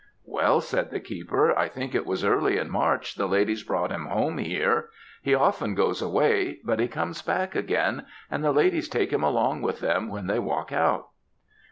"Well," said the keeper, "I think it was early in March the ladies brought him home here. He often goes away; but he comes back again, and the ladies take him along with them when they walk out."